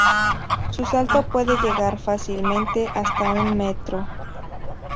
Su salto puede llegar fácilmente hasta un metro.